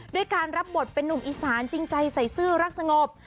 ด้วยการรับบทเป็นนุ่มอีสานจริงใจใส่ซื่อรักสงบ